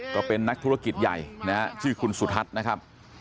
ก็เป็นนักธุรกิจใหญ่นะฮะชื่อคุณสุทัศน์นะครับ